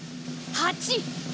８！